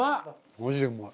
マジでうまい。